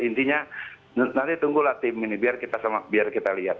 intinya nanti tunggulah tim ini biar kita lihat